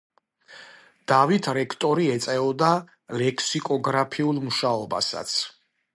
დავით რექტორი ეწეოდა ლექსიკოგრაფიულ მუშაობასაც.